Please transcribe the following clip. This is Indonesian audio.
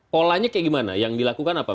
polanya kayak gimana yang dilakukan apa